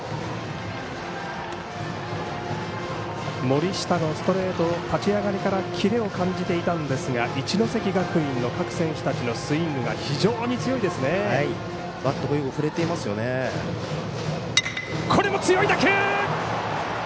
森下のストレート立ち上がりからキレを感じていたんですが一関学院の各選手たちのスイングバットも強い打球！